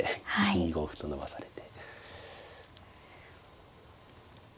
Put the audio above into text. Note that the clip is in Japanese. ２五歩と伸ばされて。